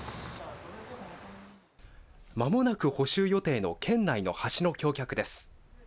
まもなく補修予定の県内の橋の橋脚です。